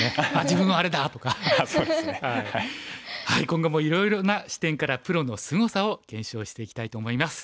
今後もいろいろな視点からプロのすごさを検証していきたいと思います。